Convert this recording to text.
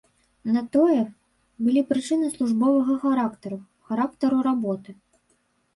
На тое былі прычыны службовага характару, характару работы.